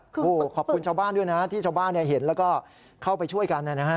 โอ้โหขอบคุณชาวบ้านด้วยนะที่ชาวบ้านเห็นแล้วก็เข้าไปช่วยกันนะฮะ